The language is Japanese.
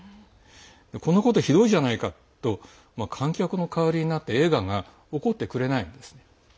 こんなことひどいじゃないかと観客の代わりになって映画が怒ってくれないんです。